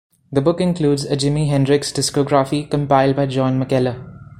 The book includes "A Jimi Hendrix Discography", compiled by John McKellar.